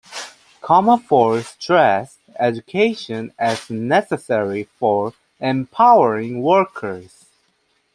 Commerford stressed education as necessary for empowering workers.